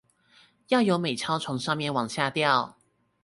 要有美鈔從上面往下掉